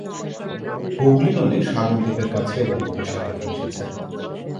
হুগলি নদী সাগর দ্বীপের কাছে বঙ্গোপসাগরে মিশেছে।